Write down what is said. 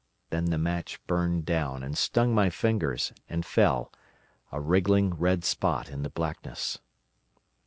Then the match burnt down, and stung my fingers, and fell, a wriggling red spot in the blackness.